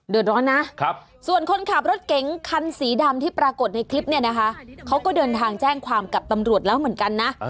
ร้อนนะส่วนคนขับรถเก๋งคันสีดำที่ปรากฏในคลิปเนี่ยนะคะเขาก็เดินทางแจ้งความกับตำรวจแล้วเหมือนกันนะ